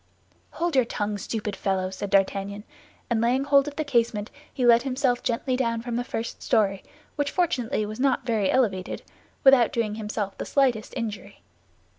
"Hold your tongue, stupid fellow," said D'Artagnan; and laying hold of the casement, he let himself gently down from the first story, which fortunately was not very elevated, without doing himself the slightest injury.